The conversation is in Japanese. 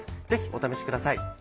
ぜひお試しください。